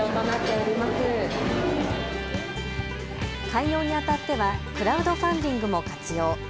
開業にあたってはクラウドファンディングも活用。